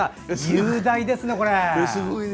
雄大ですね、これ。